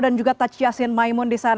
dan juga taci yassin maimun